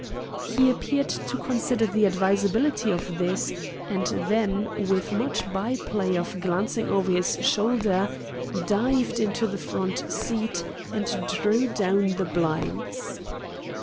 He appeared to consider the advisability of this, and then, with much by play of glancing over his shoulder, dived into the front seat and drew down the blinds.